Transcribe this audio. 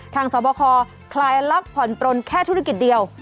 สอบคอคลายล็อกผ่อนปลนแค่ธุรกิจเดียว